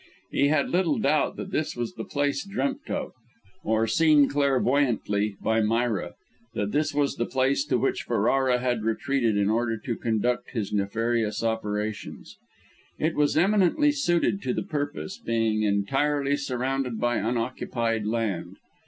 He had little doubt that this was the place dreamt of, or seen clairvoyantly, by Myra, that this was the place to which Ferrara had retreated in order to conduct his nefarious operations. It was eminently suited to the purpose, being entirely surrounded by unoccupied land.